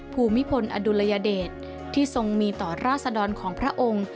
ภูมิพลอดุลยเดชที่ทรงมีต่อราศดรของพระองค์